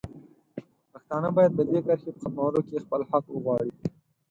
پښتانه باید د دې کرښې په ختمولو کې خپل حق وغواړي.